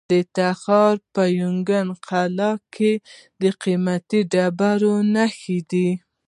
د تخار په ینګي قلعه کې د قیمتي ډبرو نښې دي.